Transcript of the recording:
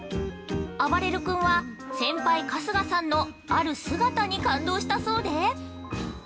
あばれる君は、先輩春日さんのある姿に感動したそうで。